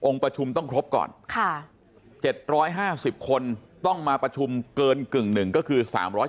ประชุมต้องครบก่อน๗๕๐คนต้องมาประชุมเกินกึ่งหนึ่งก็คือ๓๗